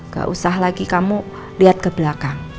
gak usah lagi kamu lihat ke belakang